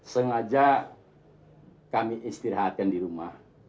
sengaja kami istirahatkan di rumah